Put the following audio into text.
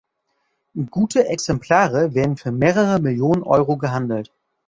Gute Exemplare werden für mehrere Millionen Euro gehandelt.